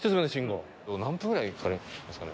何分ぐらいかかりますかね？